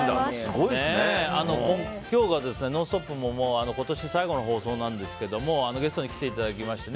今日は「ノンストップ！」も今年最後の放送なんですけどゲストに来ていただきましてね。